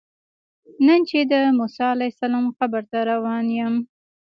نن چې د موسی علیه السلام قبر ته روان یم.